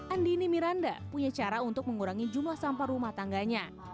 andini miranda punya cara untuk mengurangi jumlah sampah rumah tangganya